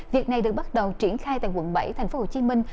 việc này được bắt đầu triển khai tại quận bảy thành phố hồ chí minh